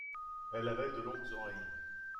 Elle avait de longues oreilles.